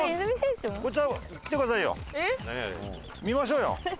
見ましょうよ。